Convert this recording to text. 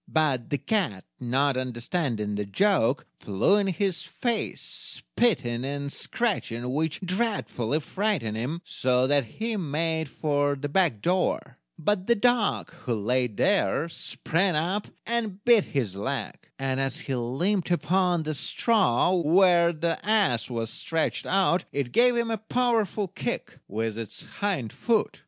But the cat, not understanding the joke, flew in his face, spitting and scratching, which dreadfully frightened him, so that he made for the back door; but the dog, who laid there, sprang up and bit his leg; and as he limped upon the straw where the ass was stretched out, it gave him a powerful kick with its hind foot.